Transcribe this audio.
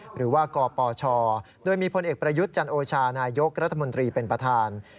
หรือว่ากปชโดยมีพลเอกประยุทธ์จันโอชานายกรัฐมนตรีเป็นประธาน